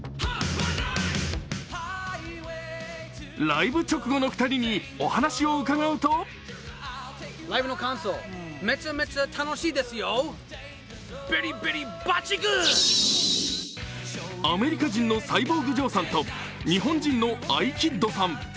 ライブ直後の２人にお話を伺うとアメリカ人のサイボーグジョーさんと日本人のアイキッドさん。